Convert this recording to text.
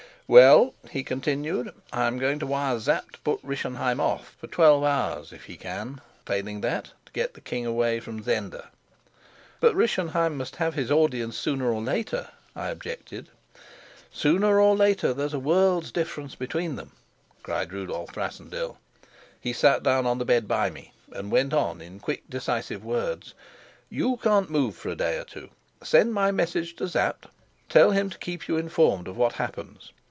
"Well," he continued, "I am going to wire to Sapt to put Rischenheim off for twelve hours if he can; failing that, to get the king away from Zenda." "But Rischenheim must have his audience sooner or later," I objected. "Sooner or later there's the world's difference between them!" cried Rudolf Rassendyll. He sat down on the bed by me, and went on in quick, decisive words: "You can't move for a day or two. Send my message to Sapt. Tell him to keep you informed of what happens.